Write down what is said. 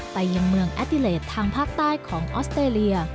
ไปยังเมืองแอดิเลสทางภาคใต้ของออสเตรเลีย